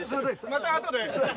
またあとで。